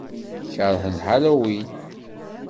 Keṛhent Halloween.